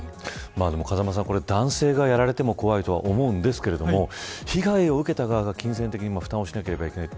風間さん、これ男性がやられても怖いとは思うんですけれども被害を受けた側が金銭的に負担をしなければならない。